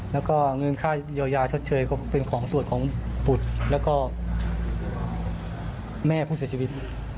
แล้วก็เงินค่าเยียวยาชดเชยก็เป็นของสวดของบุตรแล้วก็แม่ผู้เสียชีวิต